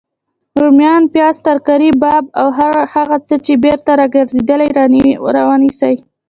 روميان، پیاز، ترکاري باب او هر هغه څه چی بیرته راګرځیدلي راونیسئ